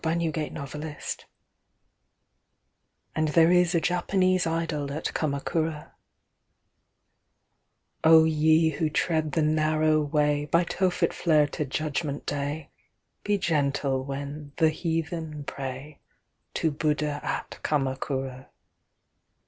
Buddha at Kamakura 1892"And there is a Japanese idol at Kamakura"O YE who tread the Narrow WayBy Tophet flare to Judgment Day, Be gentle when "the heathen" prayTo Buddha at Kamakura!